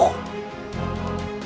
aku menggunakan muslihat musuh